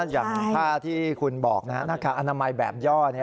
อย่างภาคที่คุณบอกนะฮะอนามัยแบบย่อเนี่ย